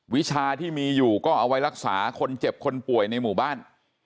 วิชาที่มีอยู่ก็เอาไว้รักษาคนเจ็บคนป่วยในหมู่บ้าน